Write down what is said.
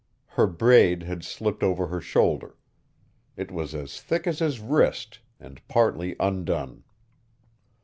Her braid had slipped over her shoulder. It was as thick as his wrist, and partly undone.